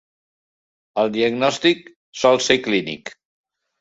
El diagnòstic sol ser clínic.